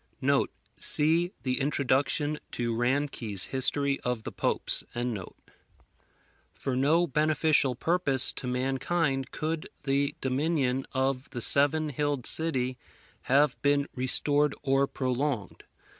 [See the Introduction to Ranke's History of the Popes.] For no beneficial purpose to mankind could the dominion of the seven hilled city have been restored or prolonged.